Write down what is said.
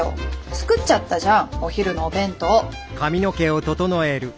作っちゃったじゃんお昼のお弁当。